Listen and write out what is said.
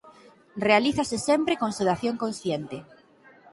Realízase sempre con sedación consciente.